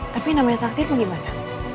tapi namanya takdir gimana